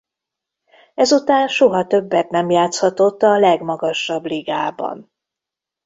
Ezután soha többet nem játszhatott a legmagasabb ligában.